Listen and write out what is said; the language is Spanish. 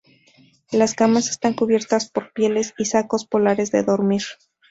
Las camas estas cubiertas por pieles y sacos polares de dormir.